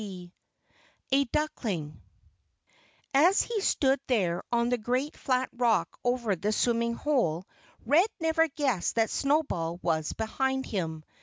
XXI A DUCKING As he stood there on the great flat rock over the swimming hole Red never guessed that Snowball was behind him.